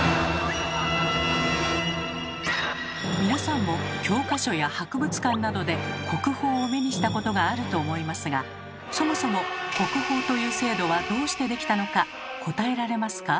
皆さんも教科書や博物館などで国宝を目にしたことがあると思いますがそもそも国宝という制度はどうして出来たのか答えられますか？